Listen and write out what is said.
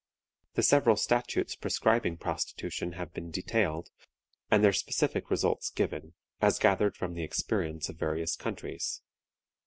The several statutes proscribing prostitution have been detailed, and their specific results given, as gathered from the experience of various countries.